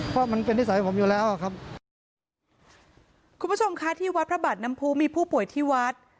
เพราะมันเป็นนิสัยผมอยู่แล้วอ่ะครับคุณผู้ชมคะที่วัดพระบาทน้ำผู้มีผู้ป่วยที่วัด